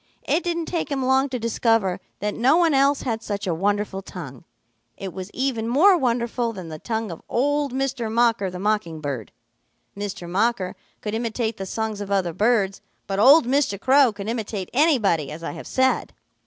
It didn't take him long to discover that no one else had such a wonderful tongue. It was even more wonderful than the tongue of old Mr. Mocker the Mocking Bird. Mr. Mocker could imitate the songs of other birds, but old Mr. Crow could imitate anybody, as I have said.